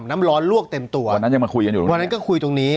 น้ำร้อนลวกเต็มตัววันนั้นยังมาคุยกันอยู่เลยวันนั้นก็คุยตรงนี้